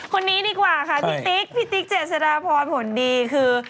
คนนี้ดีกว่าค่ะพี่ติ๊กเจดเสดานพรผลดีคือ